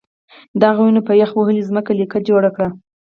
د هغه وینو په یخ وهلې ځمکه لیکه جوړه کړه